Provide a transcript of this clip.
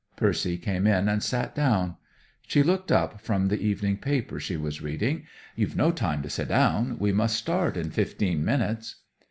Percy came in and sat down. She looked up from the evening paper she was reading. "You've no time to sit down. We must start in fifteen minutes."